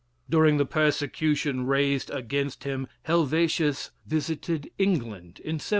During the persecution raised against him, Helvetius visited England in 1764.